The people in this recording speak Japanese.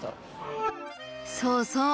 ［そうそう！